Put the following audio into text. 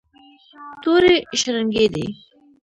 تورې شرنګېدې.